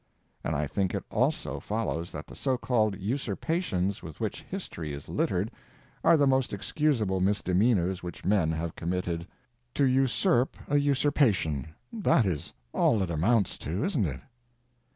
And I think it also follows that the so called usurpations with which history is littered are the most excusable misdemeanors which men have committed. To usurp a usurpation—that is all it amounts to, isn't it?